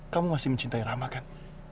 kamu masih mencintai rama kan